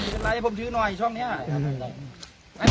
มียิ้นบนเมอร์สองเลข